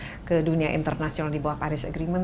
kita ke dunia internasional di bawah paris agreement